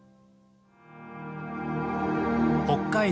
北海道